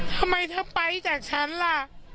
ทำไมเธอไปจากฉันล่ะ